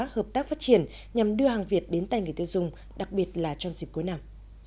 hợp tác phát triển nhằm đưa hàng việt đến tay người tiêu dùng đặc biệt là trong dịp cuối năm